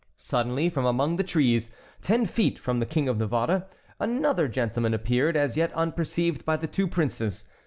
Suddenly from among the trees, ten feet from the King of Navarre, another gentleman appeared, as yet unperceived by the two princes.